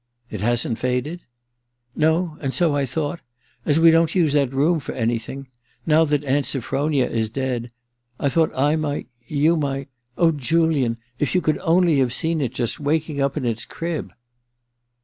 * It hasn't faded ?'* No— and so I thought ... as we don't use the room for anything ... now that Aunt Sophronia is dead ... I thought I might ... you might ... oh, Julian, if you could only have seen it just waking up in its crib